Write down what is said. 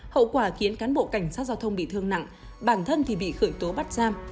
hậu quả khiến cán bộ cảnh sát giao thông bị thương nặng bản thân thì bị khởi tố bắt giam